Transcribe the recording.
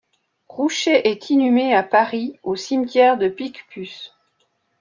Roucher est inhumé à Paris au cimetière de Picpus.